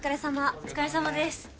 お疲れさまです。